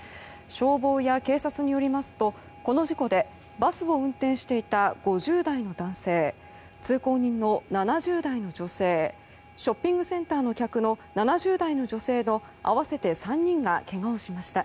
消防や警察によりますとこの事故でバスを運転していた５０代の男性通行人の７０代の女性ショッピングセンターの客の７０代の女性の合わせて３人がけがをしました。